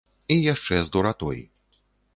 І яшчэ з дуратой.